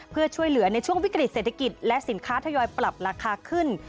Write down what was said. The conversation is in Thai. เพื่อช่วยเหลือในช่วงวิกฤตเศรษฐกิจและสินค้าทยอยปรับราคาขึ้น